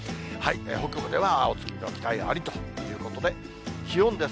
北部ではお月見の期待ありということで、気温です。